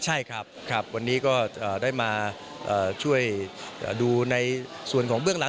ใช่ครับวันนี้ก็ได้มาช่วยดูในส่วนของเบื้องหลัง